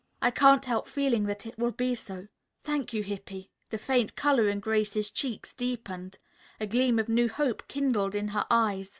I can't help feeling that it will be so." "Thank you, Hippy." The faint color in Grace's cheeks deepened. A gleam of new hope kindled in her eyes.